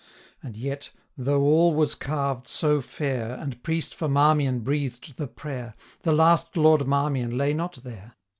And yet, though all was carved so fair, 1105 And priest for Marmion breathed the prayer, The last Lord Marmion lay not there.